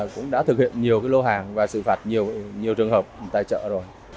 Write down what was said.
cũng đã thực hiện nhiều cái lô hàng và xử phạt nhiều trường hợp tại chợ rồi